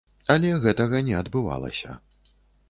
Але гэтага не адбывалася.